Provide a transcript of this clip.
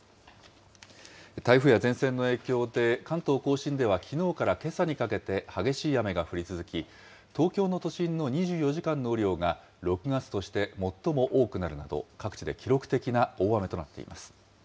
台風や前線の影響で、関東甲信ではきのうからけさにかけて、激しい雨が降り続き、東京の都心の２４時間の雨量が６月として最も多くなるなど、各地で記録的な大雨となっています。